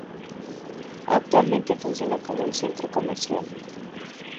Actualmente funciona como un centro comercial.